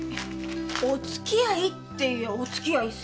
お付き合いっていやお付き合いさ。